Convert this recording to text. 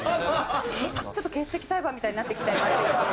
ちょっと欠席裁判みたいになってきちゃいましたけど。